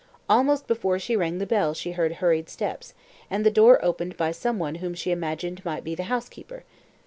Almost before she rang the bell she heard hurried steps, and the door was opened by some one whom she imagined might be the housekeeper.